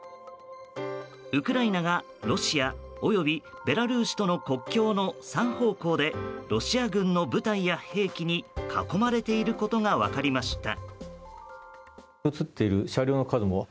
ウクライナがロシア及びベラルーシとの国境の３方向でロシア軍の部隊や兵器に囲まれていることが分かりました。